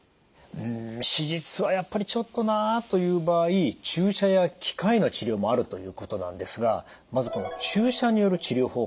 うん手術はやっぱりちょっとなあという場合注射や機械の治療もあるということなんですがまずこの注射による治療法